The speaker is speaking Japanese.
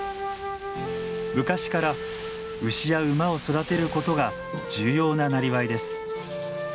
昔から牛や馬を育てることが重要ななりわいです。